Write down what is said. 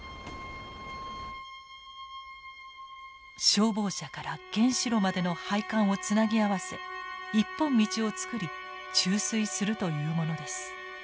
消防車から原子炉までの配管をつなぎ合わせ１本道を作り注水するというものです。